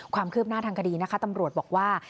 ความเคลือบหน้าทางคดีตำรวจบอกว่า